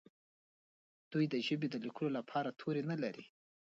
دوی د ژبې د لیکلو لپاره توري نه لري.